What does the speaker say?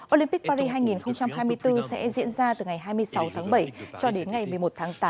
olympic paris hai nghìn hai mươi bốn sẽ diễn ra từ ngày hai mươi sáu tháng bảy cho đến ngày một mươi một tháng tám